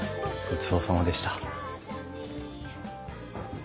ごちそうさまでした。